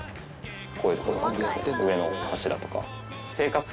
こういうところとかですね上の柱とか。